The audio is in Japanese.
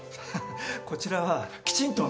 こちらはきちんと。